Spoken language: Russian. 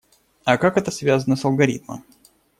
А как это связано с алгоритмом?